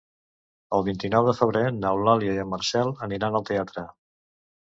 El vint-i-nou de febrer n'Eulàlia i en Marcel aniran al teatre.